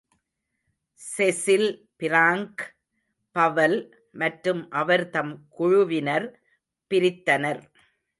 Cecil Frank Powell மற்றும் அவர்தம் குழுவினர் பிரித்தனர்.